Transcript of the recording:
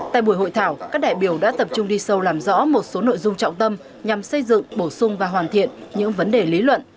tại buổi hội thảo các đại biểu đã tập trung đi sâu làm rõ một số nội dung trọng tâm nhằm xây dựng bổ sung và hoàn thiện những vấn đề lý luận